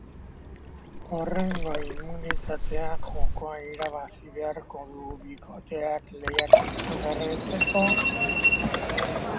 Hurrengo immunitate jokoa irabazi beharko du bikoteak lehiaketan jarraitzeko.